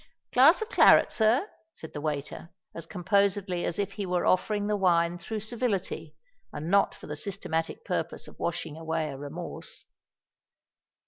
"Glass of claret, sir?" said the waiter, as composedly as if he were offering the wine through civility and not for the systematic purpose of washing away a remorse.